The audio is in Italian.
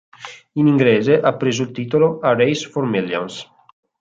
In inglese, ha preso il titolo "A Race for Millions".